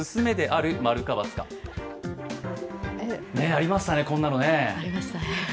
ありましたね、こんなのね。